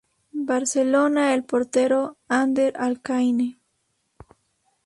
Barcelona el portero Ander Alcaine.